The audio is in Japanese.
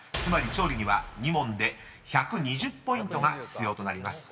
［つまり勝利には２問で１２０ポイントが必要となります］